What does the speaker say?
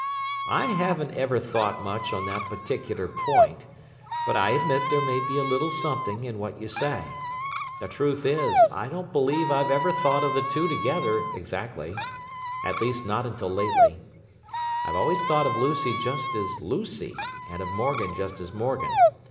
"I haven't ever thought much on that particular point, but I admit there may be a little something in what you say. The truth is, I don't believe I've ever thought of the two together, exactly—at least, not until lately. I've always thought of Lucy just as Lucy, and of Morgan just as Morgan.